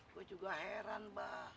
gua juga heran ba